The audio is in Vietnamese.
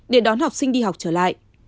để đón học sinh đi học trở lại